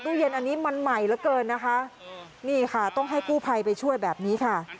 เย็นอันนี้มันใหม่เหลือเกินนะคะนี่ค่ะต้องให้กู้ภัยไปช่วยแบบนี้ค่ะ